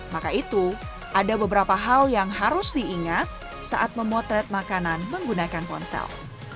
maka itu ada beberapa hal yang harus diingat saat memotret makanan menggunakan ponsel